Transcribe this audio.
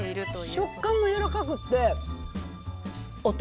食感もやわらかくて、大人。